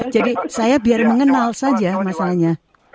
jadi saya biar mengenal saja masalahnya